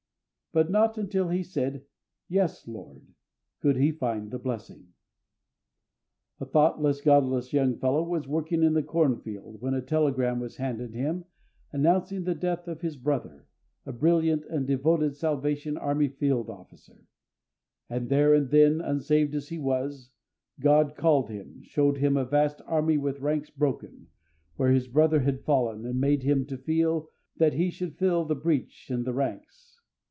But not until he had said, "Yes, Lord," could he find the blessing. A thoughtless, godless young fellow was working in the corn field when a telegram was handed him announcing the death of his brother, a brilliant and devoted Salvation Army Field Officer; and there and then, unsaved as he was, God called him, showed him a vast Army with ranks broken, where his brother had fallen, and made him to feel that he should fill the breach in the ranks.